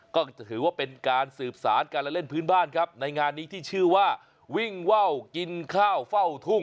ก็ถือว่าเป็นการสืบสารการละเล่นพื้นบ้านครับในงานนี้ที่ชื่อว่าวิ่งว่าวกินข้าวเฝ้าทุ่ง